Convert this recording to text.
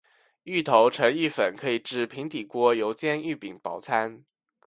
芋头成芋粉可以制平底锅油煎芋饼薄餐。